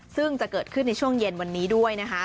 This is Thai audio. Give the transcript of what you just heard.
ซึ่งจะเกิดขึ้นในช่วงเย็นวันนี้ด้วยนะคะ